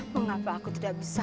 mengapa aku tidak bisa